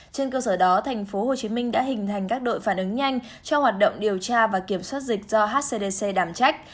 trên cơ sở đó tp hcm đã hình thành các đội phản ứng nhanh cho hoạt động điều tra và kiểm soát dịch do hcdc đảm trách